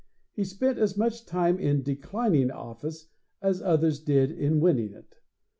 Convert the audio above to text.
He spent as much time in declining office as others did in winning it.